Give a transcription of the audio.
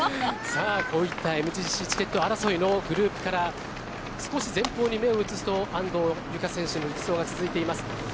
こういったＭＧＣチケット争いのグループから少し前方に目を移すと安藤友香選手の力走が続いています。